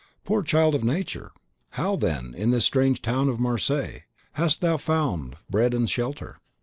"Poor child of Nature! how, then, in this strange town of Marseilles, hast thou found bread and shelter?"